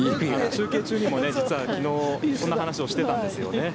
中継中にも実はそんな話をしていたんですよね。